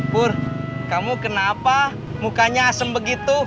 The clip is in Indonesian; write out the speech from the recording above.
bur kamu kenapa mukanya asem begitu